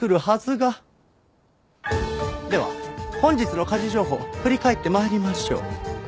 では本日の家事情報振り返って参りましょう。